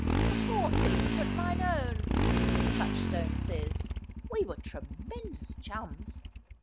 " A poor thing, but mine own," as Touchstone says. We were tremendous chums.'